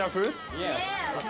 イエス。